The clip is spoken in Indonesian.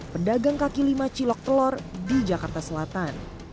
pedagang kaki lima cilok telur di jakarta selatan